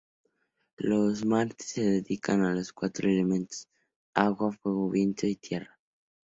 Los martes se dedican a los cuatro elementos: agua, fuego, viento y tierra.